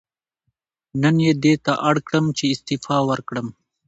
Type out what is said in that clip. نن یې دې ته اړ کړم چې استعفا ورکړم.